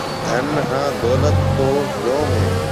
ڌن هانَ دولت تو جوم هيَ۔